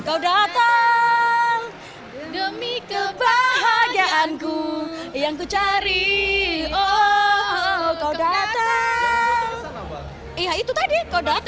saya merasa seperti tahun sembilan puluh an